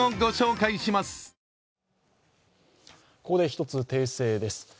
ここで１つ、訂正です。